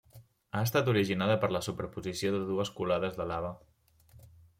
Ha estat originada per la superposició de dues colades de lava.